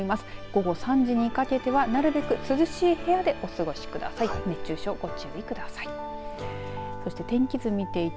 午後３時にかけては、なるべく涼しい部屋でお過ごしください。